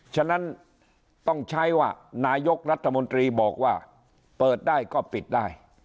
ฉะนั้นต้องใช้ว่านายกรัฐมนตรีบอกว่าเปิดได้ก็ปิดได้